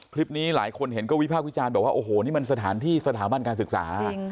คลิปนี้หลายคนเห็นก็วิพากษ์วิจารณ์บอกว่าโอ้โหนี่มันสถานที่สถาบันการศึกษา